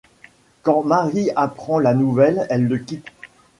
Quand Mary apprend la nouvelle, elle le quitte.